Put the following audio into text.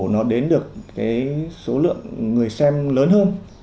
nó đến được cái số lượng người xem lớn hơn